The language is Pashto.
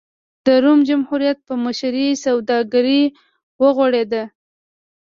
د روم جمهوریت په مشرۍ سوداګري وغوړېده.